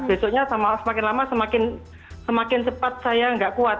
besoknya semakin lama semakin cepat saya nggak kuat